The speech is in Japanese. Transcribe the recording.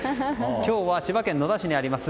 今日は千葉県野田市にあります